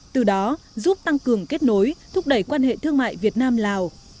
từ đó giúp tăng cường kết nối thúc đẩy quan hệ thương mại việt nam lào